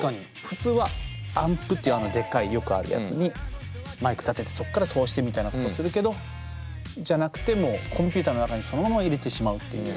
普通はアンプっていうあのでっかいよくあるやつにマイク立ててそっから通してみたいなことするけどじゃなくてもうコンピューターの中にそのまま入れてしまうっていう。